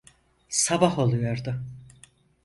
Sabah oluyordu.